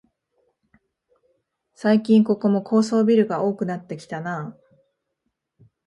最近ここも高層ビルが多くなってきたなあ